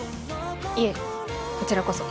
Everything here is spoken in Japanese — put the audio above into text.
いえこちらこそ。